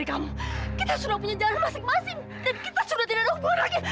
sampai jumpa di video selanjutnya